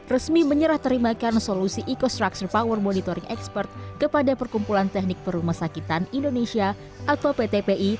resmi menyerah terimakan solusi ecostructure power monitoring expert kepada perkumpulan teknik perumah sakitan indonesia atau ptpi